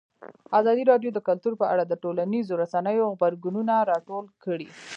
ازادي راډیو د کلتور په اړه د ټولنیزو رسنیو غبرګونونه راټول کړي.